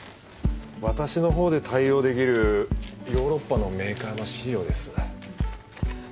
私のほうで対応できるヨーロッパのメーカーの資料です。